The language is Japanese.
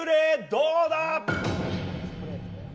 どうだ？